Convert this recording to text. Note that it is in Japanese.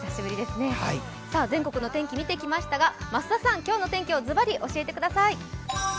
全国の天気見てきましたが、増田さん、お天気教えてください。